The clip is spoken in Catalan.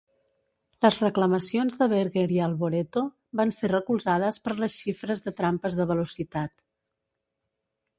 Les reclamacions de Berger i Alboreto van ser recolzades per les xifres de trampes de velocitat.